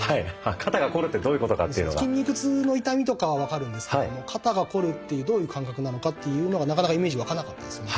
筋肉痛の痛みとかは分かるんですけども肩がこるってどういう感覚なのかっていうのがなかなかイメージ湧かなかったですね。